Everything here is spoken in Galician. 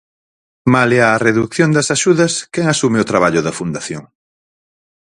Malia á redución das axudas, quen asume o traballo da Fundación?